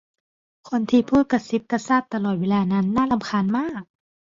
คนที่พูดกระซิบกระซาบตลอดเวลานั้นน่ารำคาญมาก